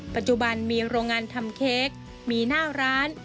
ปัจจุบันมีโรงงานทำเค้กมีหน้าร้าน